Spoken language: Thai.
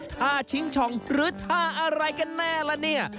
ท่าชิงช่องหรือท่าอะไรกันแน่ละเนี่ย